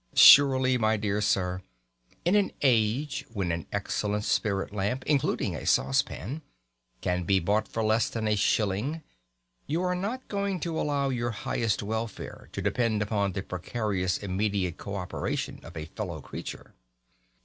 Surely, my dear sir, in an age when an excellent spirit lamp (including a saucepan) can be bought for less than a shilling, you are not going to allow your highest welfare to depend upon the precarious immediate co operation of a fellow creature!